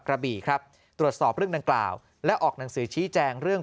กระบี่ครับตรวจสอบเรื่องดังกล่าวและออกหนังสือชี้แจงเรื่อง